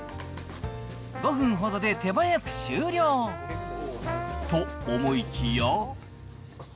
５分ほどで手早く終了。と思いきや。